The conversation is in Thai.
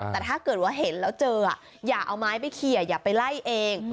แต่ถ้าเกิดว่าเห็นแล้วเจออย่าเอาไม้ไปเคลียร์อย่าไปไล่เอง